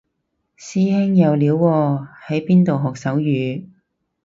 師兄有料喎喺邊度學手語